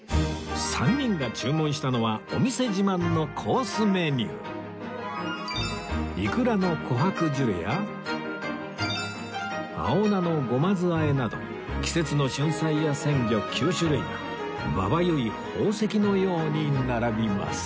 ３人が注文したのはお店自慢のコースメニューなど季節の旬菜や鮮魚９種類がまばゆい宝石のように並びます